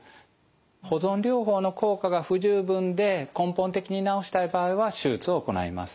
保存療法の効果が不十分で根本的に治したい場合は手術を行います。